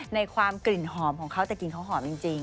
ในความกลิ่นหอมของเขาแต่กลิ่นเขาหอมจริง